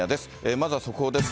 まずは速報です。